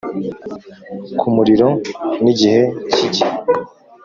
kumuriro nigihe cyigihe